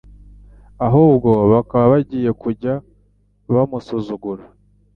ahubwo bakaba bagiye kujya bamusuzugura.